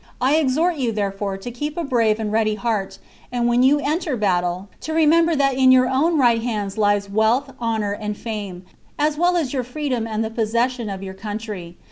I exhort you, therefore, to keep a brave and ready heart, and, when you enter battle, to remember that in your own right hands lie wealth, honour, and fame, as well as your freedom and the possession of your country.